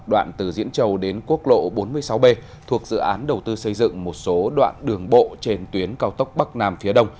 đoạn từ diễn châu đến quốc lộ bốn mươi sáu b thuộc dự án đầu tư xây dựng một số đoạn đường bộ trên tuyến cao tốc bắc nam phía đông